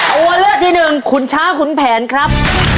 เอาว่าเลือกที่๑ขุนช้างขุนแผนครับ